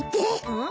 うん？